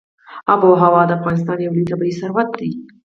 آب وهوا د افغانستان یو لوی طبعي ثروت دی.